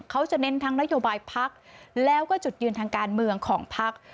เขาจะเน้นทั้งนโยบายพักแล้วก็จุดยืนทางการเมืองของพัก